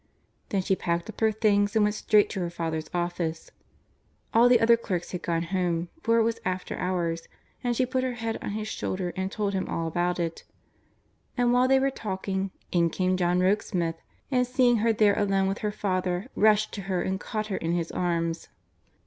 Then she packed up her things and went straight to her father's office. All the other clerks had gone home, for it was after hours, and she put her head on his shoulder and told him all about it. And while they were talking, in came John Rokesmith, and seeing her there alone with her father, rushed to her and caught her in his arms.